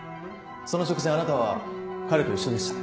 その直前あなたは彼と一緒でしたね。